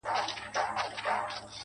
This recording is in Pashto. o پر تندي يې شنه خالونه زما بدن خوري.